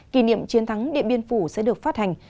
kỷ niệm chiến thắng điện biên phủ sẽ được phát hành